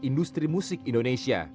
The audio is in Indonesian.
industri musik indonesia